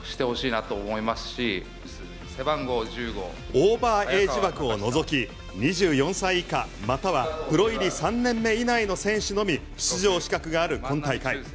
オーバーエイジ枠をのぞき２４歳以下またはプロ入り３年目以内の選手のみ出場資格がある今大会。